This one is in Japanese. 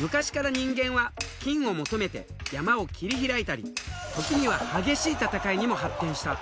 昔から人間は金を求めて山を切り開いたり時には激しい戦いにも発展した。